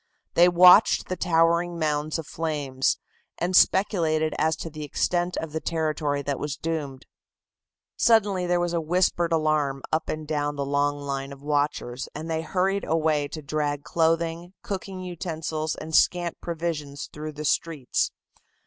They watched the towering mounds of flames, and speculated as to the extent of the territory that was doomed. Suddenly there was whispered alarm up and down the long line of watchers, and they hurried away to drag clothing, cooking utensils and scant provisions through the streets.